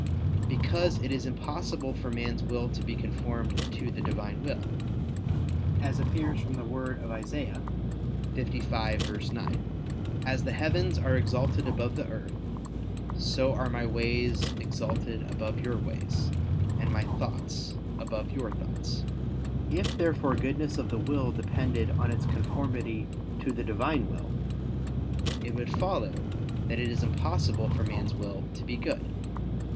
Because it is impossible for man's will to be conformed to the Divine will; as appears from the word of Isa. 55:9: "As the heavens are exalted above the earth, so are My ways exalted above your ways, and My thoughts above your thoughts." If therefore goodness of the will depended on its conformity to the Divine will, it would follow that it is impossible for man's will to be good.